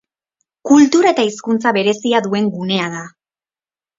Kultura eta hizkuntza berezia duen gunea da.